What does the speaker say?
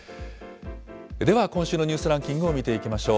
では、今週のニュースランキングを見ていきましょう。